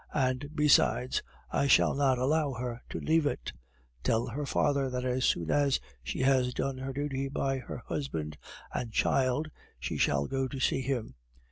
And, besides, I shall not allow her to leave it. Tell her father that as soon as she has done her duty by her husband and child she shall go to see him.